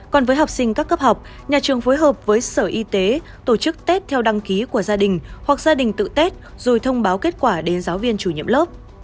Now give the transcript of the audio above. còn với học sinh các cấp học nhà trường phối hợp với sở y tế tổ chức tết theo đăng ký của gia đình hoặc gia đình tự tết rồi thông báo kết quả đến giáo viên chủ nhiệm lớp